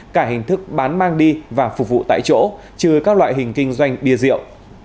cả hình thức bán mang đi và phục vụ tại chỗ trừ các loại hình kinh doanh bia rượu